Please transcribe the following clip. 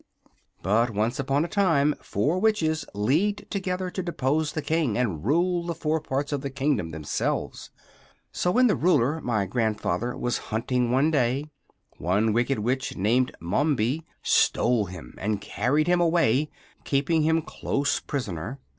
But once upon a time four Witches leagued together to depose the king and rule the four parts of the kingdom themselves; so when the Ruler, my grandfather, was hunting one day, one Wicked Witch named Mombi stole him and carried him away, keeping him a close prisoner.